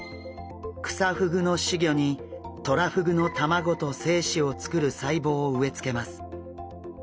クサフグの仔魚にトラフグの卵と精子をつくる細胞を植え付けます。